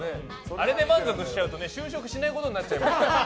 あれで満足しちゃうと就職しないことになっちゃう。